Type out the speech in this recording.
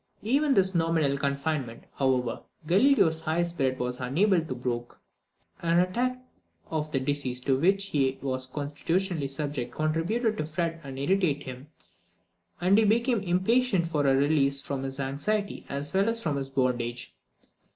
Even this nominal confinement, however, Galileo's high spirit was unable to brook. An attack of the disease to which he was constitutionally subject contributed to fret and irritate him, and he became impatient for a release from his anxiety as well as from his bondage.